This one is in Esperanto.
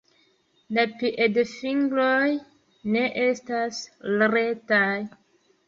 La piedfingroj ne estas retaj.